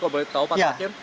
kok boleh tahu pak akhir